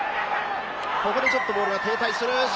ここでちょっとボールが停滞する。